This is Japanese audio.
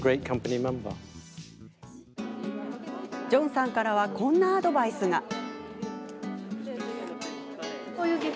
ジョンさんからはこんなアドバイスが。